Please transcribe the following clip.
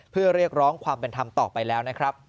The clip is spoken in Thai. เพื่อเรียกร้องความเป็นธรรมต่อไปแล้วนะครับ